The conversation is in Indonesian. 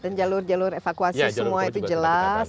dan jalur jalur evakuasi semua itu jelas